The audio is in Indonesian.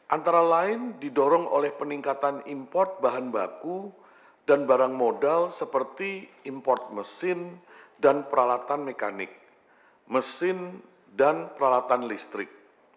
antara lain didorong oleh peningkatan import bahan baku dan barang modal seperti import mesin dan peralatan mekanik mesin dan peralatan listrik